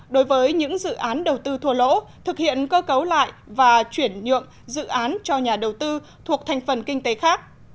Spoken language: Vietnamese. đối với những dự án đầu tư thua lỗ thực hiện cơ cấu lại và chuyển nhượng dự án cho nhà đầu tư thuộc thành phần kinh tế khác